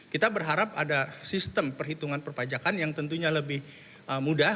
kita berharap ada sistem perhitungan perpajakan yang tentunya lebih mudah